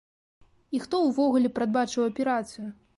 І хто ўвогуле прадбачыў аперацыю?